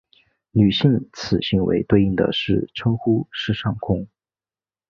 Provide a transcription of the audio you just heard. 女性此行为对应的称呼是上空。